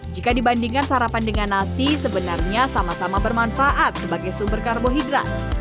jika dibandingkan sarapan dengan nasi sebenarnya sama sama bermanfaat sebagai sumber karbohidrat